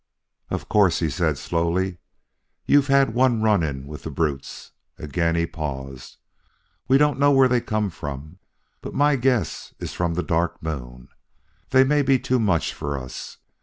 "Of course," he said slowly, "you've had one run in with the brutes." Again he paused. "We don't know where they come from, but my guess is from the Dark Moon. They may be too much for us....